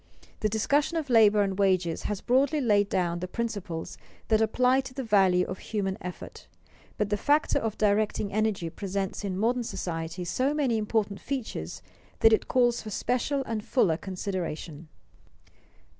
The discussion of labor and wages has broadly laid down the principles that apply to the value of human effort, but the factor of directing energy presents in modern society so many important features that it calls for special and fuller consideration.